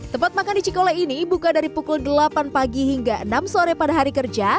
tempat makan di cikole ini buka dari pukul delapan pagi hingga enam sore pada hari kerja